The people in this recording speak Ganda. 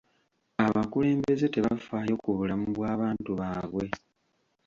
Abakulembeze tebafaayo ku bulamu bw'abantu baabwe.